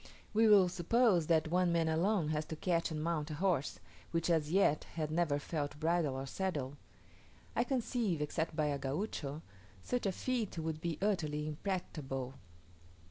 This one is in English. We will suppose that one man alone has to catch and mount a horse, which as yet had never felt bridle or saddle. I conceive, except by a Gaucho, such a feat would be utterly impracticable.